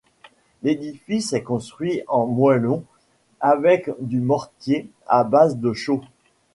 L'édifice est construit en moellons avec du mortier à base de chaux.